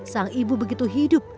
sang ibu begitu hidup